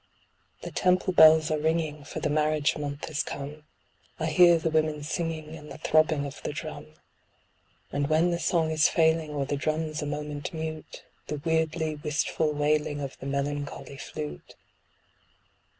The Temple bells are ringing, for the marriage month has come. I hear the women singing, and the throbbing of the drum. And when the song is failing, or the drums a moment mute, The weirdly wistful wailing of the melancholy flute.